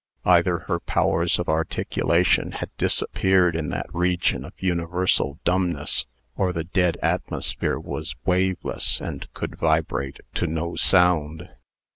Either her powers of articulation had disappeared in that region of universal dumbness, or the dead atmosphere was waveless, and could vibrate to no sound.